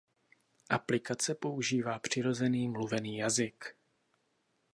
Aplikace používá přirozený mluvený jazyk.